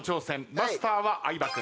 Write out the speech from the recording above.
マスターは相葉君。